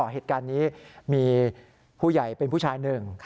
เหตุการณ์นี้มีผู้ใหญ่เป็นผู้ชายหนึ่ง